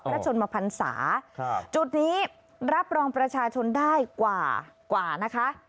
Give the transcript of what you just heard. พระชนมพันษาจุดนี้รับรองประชาชนได้กว่า๑๐๐๐คน